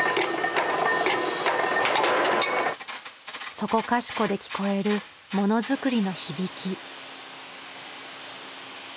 そこかしこで聞こえるものづくりの響き。